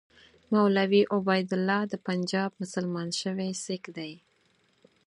مولوي عبیدالله د پنجاب مسلمان شوی سیکه دی.